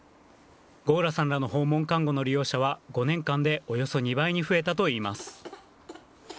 吾浦さんらの訪問看護の利用者は５年間でおよそ２倍に増えたといいます。